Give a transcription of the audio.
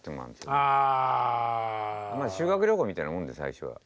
修学旅行みたいなもんで最初は。